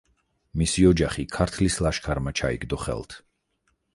მისი ოჯახი ქართლის ლაშქარმა ჩაიგდო ხელთ.